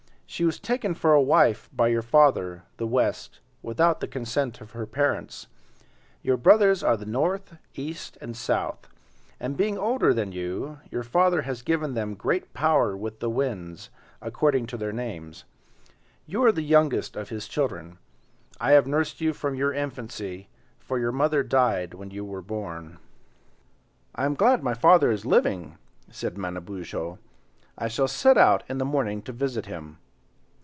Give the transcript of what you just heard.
She was taken for a wife by your father, the West, without the consent of her parents. Your brothers are the North, East, and South; and being older than you your father has given them great power with the winds, according to their names. You are the youngest of his children. I have nursed you from your infancy, for your mother died when you were born." "I am glad my father is living," said Manabozho, "I shall set out in the morning to visit him."